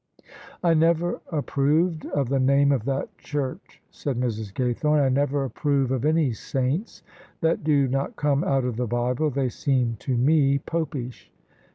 ''I never ^proved of the name of that church," said Mrs. Gajrthome. " I never approve of any saints that do not come out of the Bible: they seem to me popish."